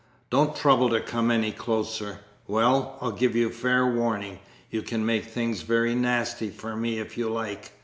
"Don't trouble to come any closer. Well, I give you fair warning. You can make things very nasty for me if you like.